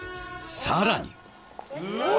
さらにお！